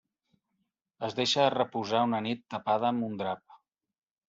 Es deixa reposar una nit tapada amb un drap.